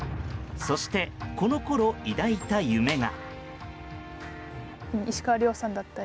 そして、このころ抱いた夢が。